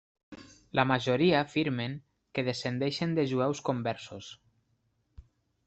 La majoria afirmen que descendeixen de jueus conversos.